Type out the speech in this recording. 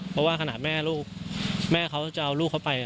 เพราะว่าขนาดแม่ลูกแม่เขาจะเอาลูกเขาไป